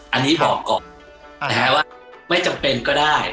อันนี้บอกก่อนนะฮะว่าไม่จำเป็นก็ได้